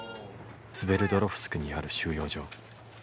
「スベルドロフスクにある収容所」